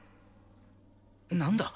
何だ？